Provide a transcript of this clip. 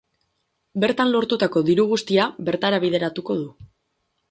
Bertan lortutako diru guztia bertara bideratuko du.